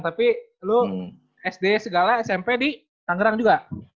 tapi lo sd segala smp di tangerang juga